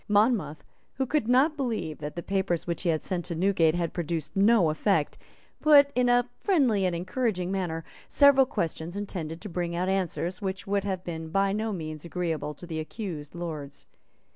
Monmouth, who could not believe that the papers which he had sent to Newgate had produced no effect, put, in a friendly and encouraging manner, several questions intended to bring out answers which would have been by no means agreeable to the accused Lords.